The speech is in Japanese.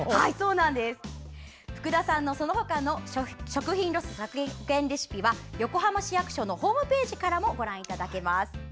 福田さんのその他の食品ロス削減レシピは横浜市役所のホームページからもご覧いただくことができます。